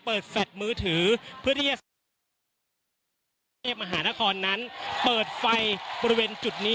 เปิดแฟลต์มือถือเพื่อที่มหานครนั้นเปิดไฟบริเวณจุดนี้